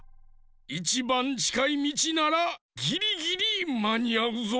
いちばんちかいみちならぎりぎりまにあうぞ。